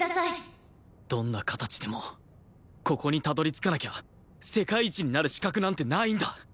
どんな形でもここにたどり着かなきゃ世界一になる資格なんてないんだ！